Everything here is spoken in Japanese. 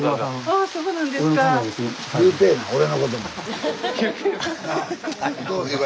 ああそうなんですか。